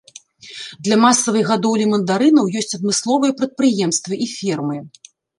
Для масавай гадоўлі мандарынаў ёсць адмысловыя прадпрыемствы і фермы.